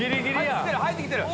入って来てる！